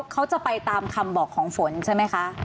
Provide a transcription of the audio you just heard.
เขาจะไปตามคำบอกของฝนใช่ไหมคะ